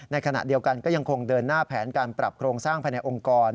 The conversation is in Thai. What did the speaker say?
ในขณะเดียวกันก็ยังคงเดินหน้าแผนการปรับโครงสร้างภายในองค์กร